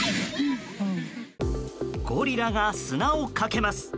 ゴリラが砂をかけます。